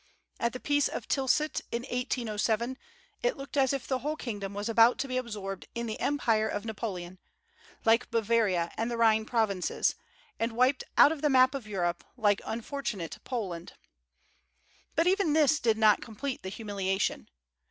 At the peace of Tilsit, in 1807, it looked as if the whole kingdom was about to be absorbed in the empire of Napoleon, like Bavaria and the Rhine provinces, and wiped out of the map of Europe like unfortunate Poland. But even this did not complete the humiliation.